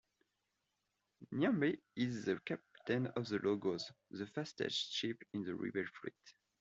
Niobe is the Captain of the "Logos", the fastest ship in the rebel fleet.